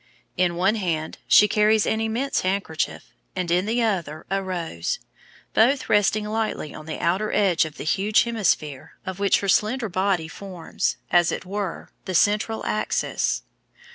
In one hand she carries an immense handkerchief, and in the other a rose, both resting lightly on the outer edge of the huge hemisphere, of which her slender figure forms, as it were, the central axis.